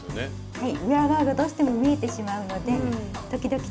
はい。